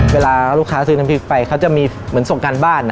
เวลาลูกค้าซื้อน้ำพริกไปเขาจะมีเหมือนส่งการบ้าน